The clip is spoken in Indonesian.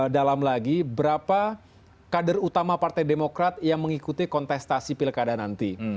dalam lagi berapa kader utama partai demokrat yang mengikuti kontestasi pilkada nanti